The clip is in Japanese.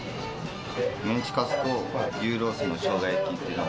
メンチカツと牛ロースのしょうが焼きっていうのが。